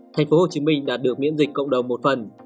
thành phố hồ chí minh đạt được miễn dịch cộng đồng một phần